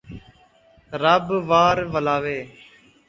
رب وار ولاوے